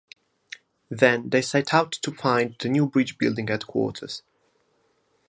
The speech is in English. Then they set out to find the new bridge-building headquarters.